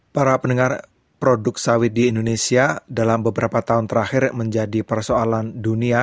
para pendengar produk sawit di indonesia dalam beberapa tahun terakhir menjadi persoalan dunia